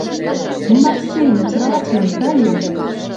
«Ну, Максим! Сыравачвлӓм сдайы.